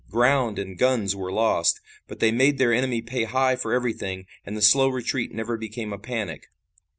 Ground and guns were lost, but they made their enemy pay high for everything, and the slow retreat never became a panic.